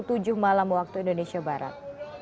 pukul tujuh malam waktu indonesia barat